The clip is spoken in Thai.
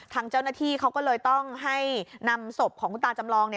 ทางเจ้าหน้าที่เขาก็เลยต้องให้นำศพของคุณตาจำลอง